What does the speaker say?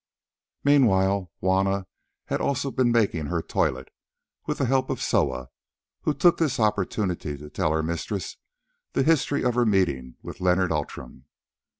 Meanwhile Juanna had also been making her toilet, with the help of Soa, who took this opportunity to tell her mistress the history of her meeting with Leonard Outram.